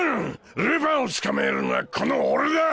ルパンを捕まえるのはこの俺だ！